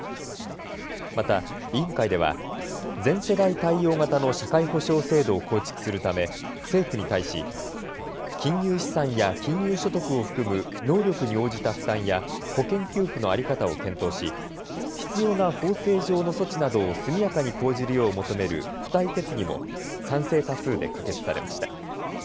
また委員会では全世代対応型の社会保障制度を構築するため政府に対し金融資産や金融所得を含む能力に応じた負担や保険給付の在り方を検討し必要な法制上の措置などを速やかに講じるよう求める付帯決議も賛成多数で可決されました。